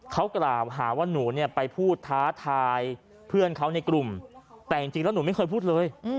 เขากล่าวหาว่าหนูเนี่ยไปพูดท้าทายเพื่อนเขาในกลุ่มแต่จริงแล้วหนูไม่เคยพูดเลย